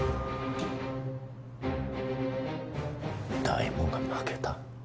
大門が負けた？